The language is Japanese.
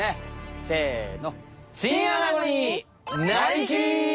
せの！